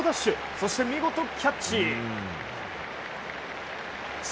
そして見事キャッチ！